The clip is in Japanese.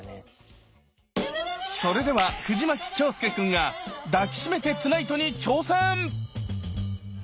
それでは藤牧京介くんが「抱きしめてＴＯＮＩＧＨＴ」に挑戦！